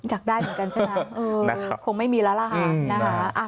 อยากได้เหมือนกันใช่ไหมคงไม่มีแล้วล่ะค่ะนะคะ